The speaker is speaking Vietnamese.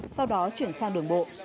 sau đó chuyển sang đường bộ